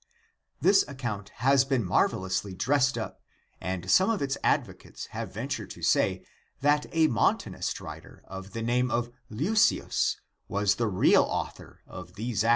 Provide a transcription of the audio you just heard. This account has been marvelously dressed up, and some of its advocates have ventured to say that a Montanist writer of the name of Leucius was the real author of these Acts.